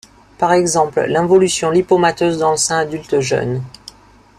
Par exemple, l'involution lipomateuse dans le sein adulte jeune.